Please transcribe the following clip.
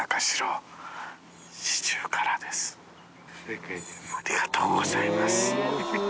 淵船礇鵝ありがとうございます。